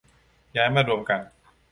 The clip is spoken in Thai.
ย้ายมารวมกัน